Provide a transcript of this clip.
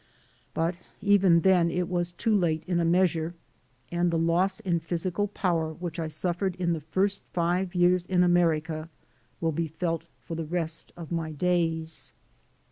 But even then it was too late in a measure, and the loss in physical power which I suffered in the first five years in America will be felt for the rest of my days.